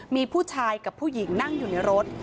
มีผู้ชายกับผู้หญิงนั่งอยู่ในรถ